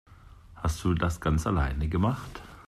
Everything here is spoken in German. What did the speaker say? Hast du das ganz alleine gemacht?